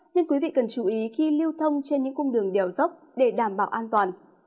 nên quý vị cần chú ý khi lưu thông trên những cung đường đèo dốc để đảm bảo an toàn